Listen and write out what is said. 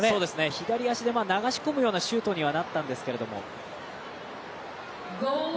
左足で流し込むようなシュートにはなったんですけれど。